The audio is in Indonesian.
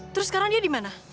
terus sekarang dia dimana